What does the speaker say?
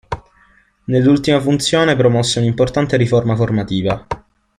Nell'ultima funzione promosse un'importante riforma formativa.